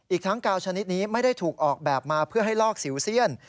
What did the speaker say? ทั้งกาวชนิดนี้ไม่ได้ถูกออกแบบมาเพื่อให้ลอกสิวเซียน